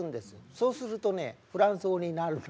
そうするとねフランス語になるの。